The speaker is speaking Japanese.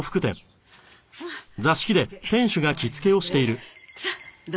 さあどうぞ。